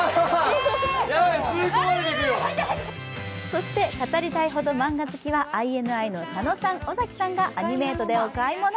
そして、「語りたいほどマンガ好き」は、ＩＮＩの佐野さん、尾崎さんがアニメイトでお買い物。